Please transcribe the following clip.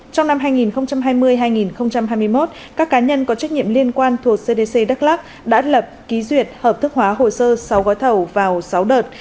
trong năm hai nghìn hai mươi hai nghìn hai mươi một các cá nhân có trách nhiệm liên quan thuộc cdc đắk lắc đã lập ký duyệt hợp thức hóa hồ sơ sáu gói thầu vào sáu đợt